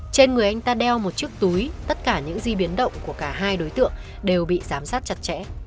trên người anh ta đeo một chiếc túi tất cả những di biến động của cả hai đối tượng đều bị giám sát chặt chẽ